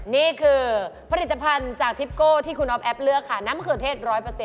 นี่คือผลิตภัณฑ์จากทิปโก้ที่คุณอ๊อฟแอฟเลือกค่ะน้ำมะเขือเทศ๑๐๐